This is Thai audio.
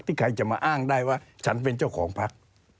ใครจะมาอ้างได้ว่าฉันเป็นเจ้าของพัก